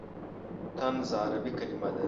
طنز عربي کلمه ده.